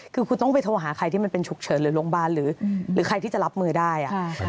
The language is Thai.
คือคุณต้องไปโทรหาใครที่มันเป็นฉุกเฉินหรือโรงพยาบาลหรือใครที่จะรับมือได้